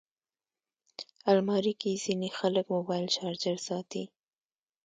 الماري کې ځینې خلک موبایل چارجر ساتي